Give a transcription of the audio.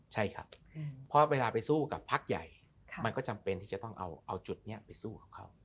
ใช่ครับเพราะเวลาไปสู้กับพักใหญ่มันก็จำเป็นที่จะต้องเอาจุดนี้ไปสู้กับเขา